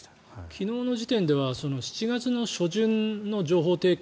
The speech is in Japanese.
昨日の時点では７月初旬の情報提供